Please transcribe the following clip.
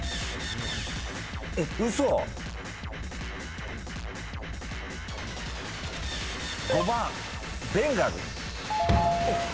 嘘⁉５番ベンガル。